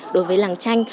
đối với làng tranh